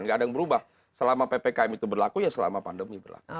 nggak ada yang berubah selama ppkm itu berlaku ya selama pandemi berlaku